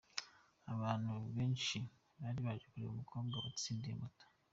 Abantu benshi bari baje kureba umukobwa watsindiye Moto.